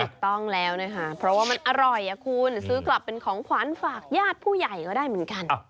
ถูกต้องแล้วนะคะเพราะว่ามันอร่อยคุณซื้อกลับเป็นของขวัญฝากญาติผู้ใหญ่ก็ได้เหมือนกัน